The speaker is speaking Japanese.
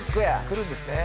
来るんですね。